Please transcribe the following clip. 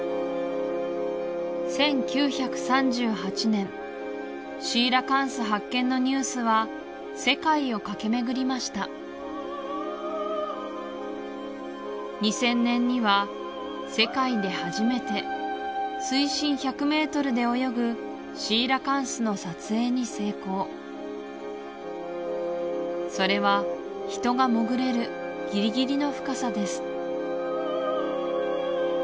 １９３８年シーラカンス発見のニュースは世界を駆け巡りました２０００年には世界で初めて水深１００ｍで泳ぐシーラカンスの撮影に成功それは人が潜れるギリギリの深さです